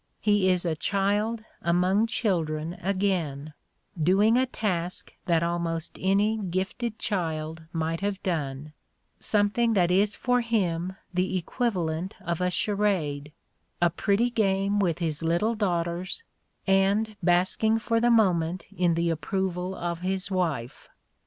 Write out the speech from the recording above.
He is a child among children again, doing a task that almost any gifted child might have done, something that is for him the equivalent of a charade, a pretty game with his little daughters, and^ basking for the moment in the approval of his wife.